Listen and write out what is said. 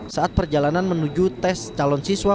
saat perjalanan menuju tes calon siswa